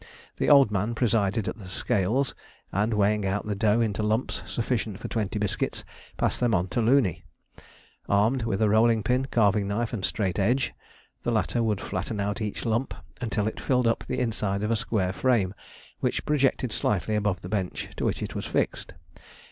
The Old Man presided at the scales and, weighing out the dough into lumps sufficient for twenty biscuits, passed them on to Looney. Armed with rolling pin, carving knife, and straight edge, the latter would flatten out each lump until it filled up the inside of a square frame which projected slightly above the bench to which it was fixed.